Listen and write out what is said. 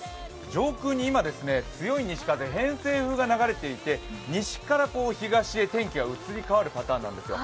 上空に今強い西風、偏西風が流れていて西から東へ天気が移り変わるパターンなんですよ。